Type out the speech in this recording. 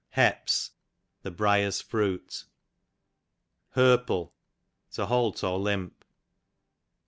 Heps, the briers fruit. Herple, to halt or limp.